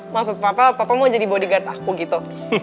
maksud papa papa mau jadi bodyguard aku gitu